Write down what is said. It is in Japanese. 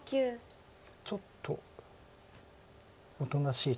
ちょっとおとなしいというか。